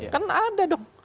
kan ada dong